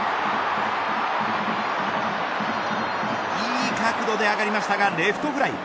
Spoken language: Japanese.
いい角度で上がりましたがレフトフライ。